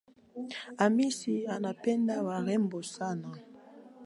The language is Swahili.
Hamisi anapenda warembo sana.